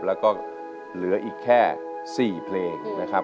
แล้วก็เหลืออีกแค่๔เพลงนะครับ